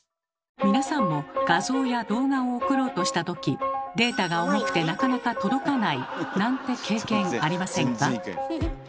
皆さんも画像や動画を送ろうとした時データが重くてなかなか届かないなんて経験ありませんか？